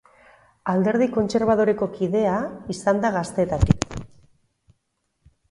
Alderdi Kontserbadoreko kidea izan da gaztetatik.